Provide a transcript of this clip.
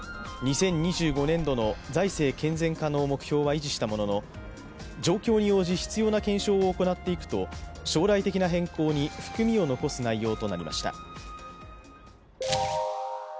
２０２５年度の財政健全化の目標は維持したものの状況に応じ必要な検証を行っていくと、将来的な変更に含みを残す内容となりました。